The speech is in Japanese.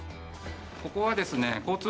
ここはですね。